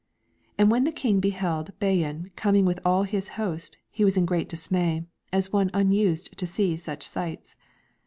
And when the King beheld Bayan coming with all his host, he was in great dismay, as one unused to see such sight*.